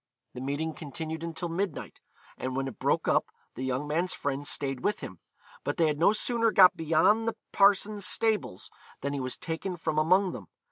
The meeting continued until midnight, and when it broke up the young man's friends stayed with him; but they had no sooner got beyond the parson's stables than he was taken from among them.